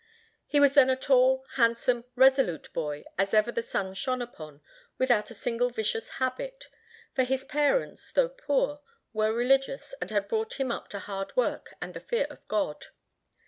He was then a tall, handsome, resolute boy as ever the sun shone upon, without a single vicious habit; for his parents, though poor, were religious, and had brought him up to hard work and the fear of God.